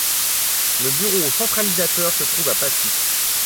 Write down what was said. Le bureau centralisateur se trouve à Passy.